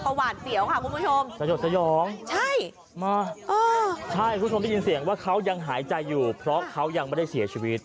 ใช่คุณผู้ชมได้ยินเสียงว่าเขายังหายใจอยู่เพราะเขายังไม่ได้เสียชีวิต